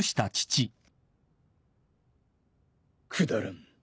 くだらん。